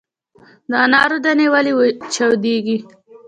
د انارو دانې ولې چاودیږي؟